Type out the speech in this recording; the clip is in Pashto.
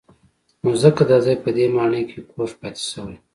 نو ځکه دا ځای په دې ماڼۍ کې کوږ پاتې شوی.